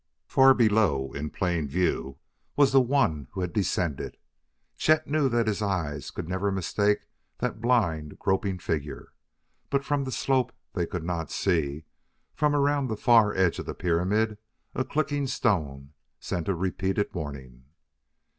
Far below, in plain view, was the one who had descended Chet knew that his eyes could never mistake that blind, groping figure but from the slope they could not see, from around the far edge of the pyramid, a clicking stone sent a repeated warning.